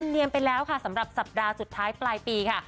เนียมไปแล้วค่ะสำหรับสัปดาห์สุดท้ายปลายปีค่ะ